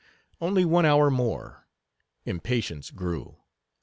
Only one hour more. Impatience grew.